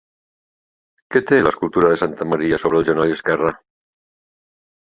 Què té l'escultura de santa Maria sobre el genoll esquerre?